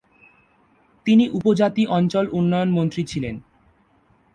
তিনি উপজাতি অঞ্চল উন্নয়ন মন্ত্রী ছিলেন।